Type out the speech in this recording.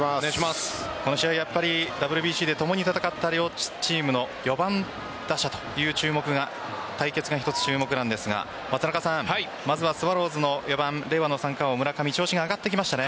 この試合、ＷＢＣで共に戦った両チームの４番打者の対決が１つ注目なんですが松中さん、まずはスワローズの４番令和の三冠王、村上選手の調子が上がってきましたね。